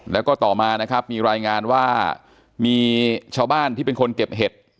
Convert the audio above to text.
แล้วก็ต่อมานะครับมีรายงานว่ามีชาวบ้านที่เป็นคนเก็บเห็ด